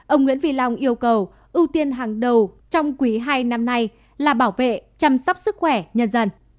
ông nguyễn phi long yêu cầu ưu tiên hàng đầu trong quý hai năm nay là bảo vệ chăm sóc sức khỏe nhân dân